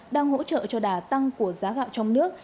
đang hỗ trợ cho đà tăng của giá gạo trong nước